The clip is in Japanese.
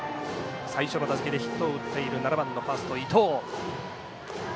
最初の打席でヒットを打っている７番ファーストの伊藤。